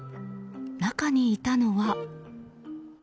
中にいたのは。